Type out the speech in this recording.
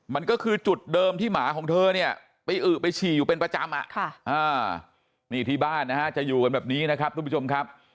มันก็คือจุดเดิมที่หมาของเธอเนี่ยไปอึไปฉี่อยู่เป็นประจำนี่ที่บ้านนะฮะจะอยู่กันแบบนี้นะครับทุกผู้ชมครับ